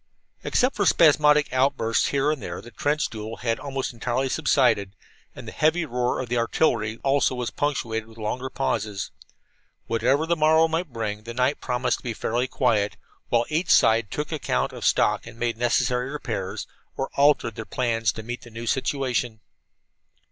Except for spasmodic outbursts here and there, the trench duel had almost entirely subsided, and the heavy roar of the artillery also was punctuated with longer pauses. Whatever the morrow might bring, the night promised to be fairly quiet, while each side took account of stock and made necessary repairs, or altered their plans to meet the new situation.